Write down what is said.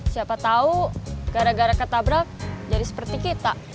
siapa tahu gara gara ketabrak jadi seperti kita